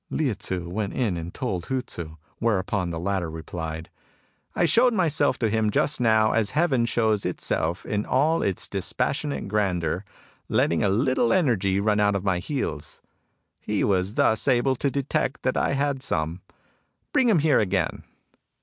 Lieh Tzu went in and told Hu Tzu ; whereupon the latter replied :" I showed myself to him just now as heaven shows itself in all its dispassionate grandeur, letting a little energy run out of my heels. He was thus able to detect that I had some. Bring him here again."